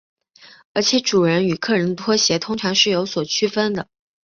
而且主人与客人的拖鞋通常是有所区分的。